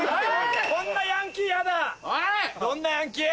こんなヤンキー。